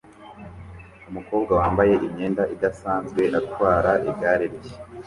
Umukobwa wambaye imyenda idasanzwe atwara igare rye